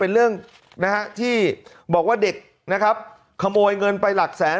เป็นเรื่องนะฮะที่บอกว่าเด็กนะครับขโมยเงินไปหลักแสน